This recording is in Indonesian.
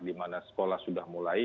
di mana sekolah sudah mulai